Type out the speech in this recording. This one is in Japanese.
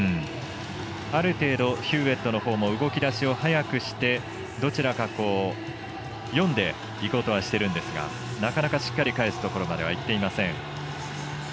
ある程度ヒューウェットのほうも動き出しを早くしてどちらか読んでいこうとはしているんですがなかなかしっかり返すところまでいっていません。